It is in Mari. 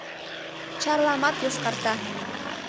Чарламат йошкарта...